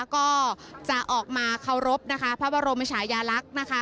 ก็จะออกมาเคารพนะคะพระบรมชายาลักษณ์นะคะ